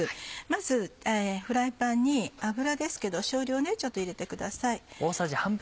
まずフライパンに油ですけど少量入れてください。